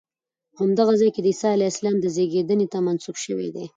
همدغه ځای د عیسی علیه السلام زېږېدنې ته منسوب شوی دی.